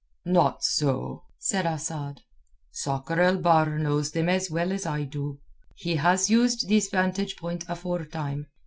"Not so," said Asad. "Sakr el Bahr knows them as well as I do. He has used this vantage point afore time.